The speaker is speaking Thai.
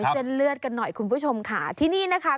เส้นเลือดกันหน่อยคุณผู้ชมค่ะที่นี่นะคะ